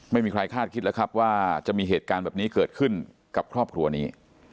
ไม่มีใครคาดคิดแล้วครับว่าจะมีเหตุการณ์แบบนี้เกิดขึ้นกับครอบครัวนี้